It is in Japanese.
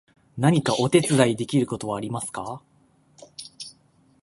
何かお手伝いできることはありますか？